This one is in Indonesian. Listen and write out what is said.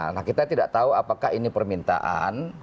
nah kita tidak tahu apakah ini permintaan